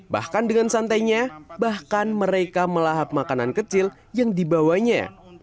bahkan dengan santainya bahkan mereka melahap makanan kecil yang dibawanya